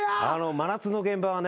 真夏の現場はね